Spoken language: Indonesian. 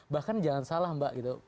bahkan jangan salah mbak gitu